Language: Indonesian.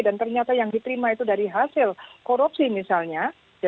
ternyata yang diterima itu dari hasil korupsi misalnya